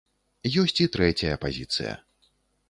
Ёсць і трэцяя пазіцыя.